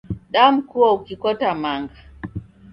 Damkua ukikota manga